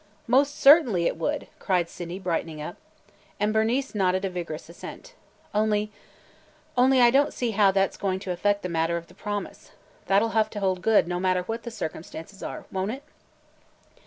"Most certainly it would!" cried Sydney, brightening up. And Bernice nodded a vigorous assent. "Only – only I don't see how that 's going to affect the matter of the promise. That 'll have to hold good, no matter what the circumstances are, won't it?''